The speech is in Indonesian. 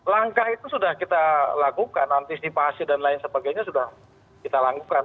langkah itu sudah kita lakukan antisipasi dan lain sebagainya sudah kita lakukan